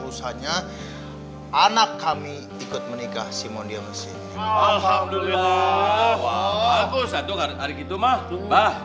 usahanya anak kami ikut menikah simondia mesin alhamdulillah bagus satu hari gitu mah bah